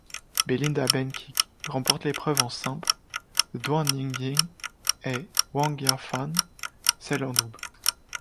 Belinda Bencic remporte l'épreuve en simple, Duan Ying-Ying et Wang Yafan celle en double.